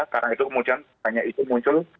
karena itu kemudian banyak itu muncul